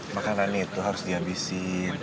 makanan itu harus dihabisin